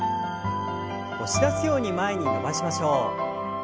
押し出すように前に伸ばしましょう。